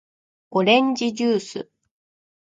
おれんじじゅーす